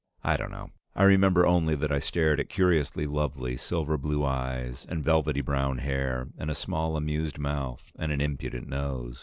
I don't know; I remember only that I stared at curiously lovely silver blue eyes and velvety brown hair, and a small amused mouth, and an impudent nose.